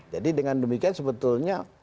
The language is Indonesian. jadi dengan demikian sebetulnya